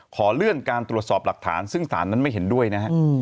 ขอเลื่อนการตรวจสอบหลักฐานซึ่งศาลนั้นไม่เห็นด้วยนะฮะ